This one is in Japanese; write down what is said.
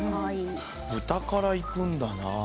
豚からいくんやな。